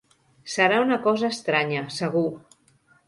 Serà una cosa estranya, segur!